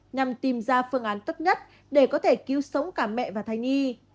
nhằm tìm ra phương án tốt nhất để có thể cứu sống cả mẹ và thai nhi